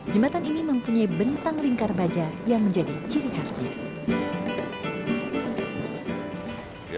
jembatan ini mempunyai bentang lingkar baja yang menjadi ciri khasnya